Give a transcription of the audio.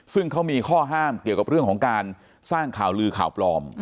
ซึ่งเขามีข้อห้ามเกี่ยวกับเรื่องของการสร้างข่าวลือข่าวปลอม